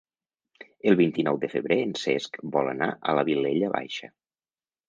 El vint-i-nou de febrer en Cesc vol anar a la Vilella Baixa.